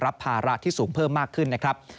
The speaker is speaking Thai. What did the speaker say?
ภาระที่สูงเพิ่มมากขึ้นนะครับ